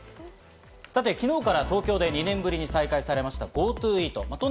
さて、昨日から東京で２年ぶりに再開されましたＧｏＴｏＥａｔ。